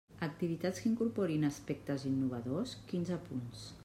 Activitats que incorporin aspectes innovadors, quinze punts.